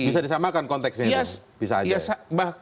bisa disamakan konteksnya itu bisa aja